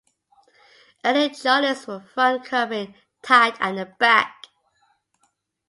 Early cholis were front covering, tied at the back.